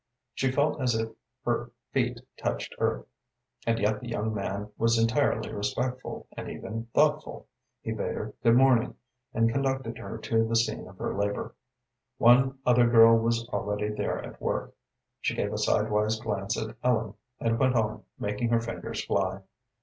She felt as if her feet touched earth, and yet the young man was entirely respectful, and even thoughtful. He bade her "Good morning," and conducted her to the scene of her labor. One other girl was already there at work. She gave a sidewise glance at Ellen, and went on, making her fingers fly.